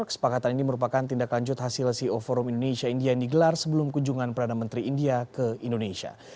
kesepakatan ini merupakan tindak lanjut hasil ceo forum indonesia india yang digelar sebelum kunjungan perdana menteri india ke indonesia